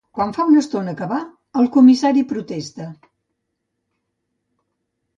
Quan ja fa una estona que va, el comissari protesta.